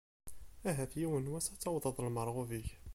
Ahat yiwen n wass ad tawḍeḍ lmerɣub-ik.